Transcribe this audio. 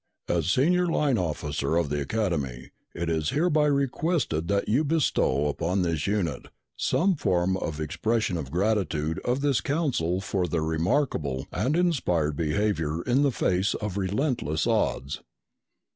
As Senior Line Officer of the Academy, it is hereby requested that you bestow upon this unit some form of expression of the gratitude of this Council for their remarkable and inspired behavior in the face of relentless odds.